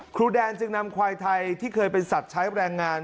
ครูแดนจึงนำควายไทยที่เคยเป็นสัตว์ใช้แรงงาน